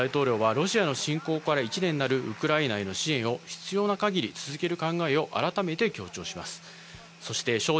また、バイデン大統領はロシアの侵攻から１年になるウクライナへの支援を必要な限り続ける考えを改めて強調しました。